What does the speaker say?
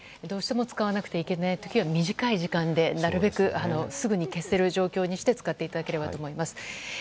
どうしても使わなくてはいけない時は短い時間でなるべくすぐに消せる状況にして使っていただければと思います。